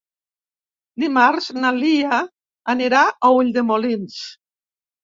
Dimarts na Lia anirà a Ulldemolins.